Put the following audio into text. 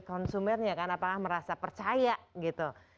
konsumernya kan apakah merasa percaya gitu